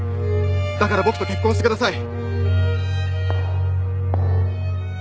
だから僕と結婚してください！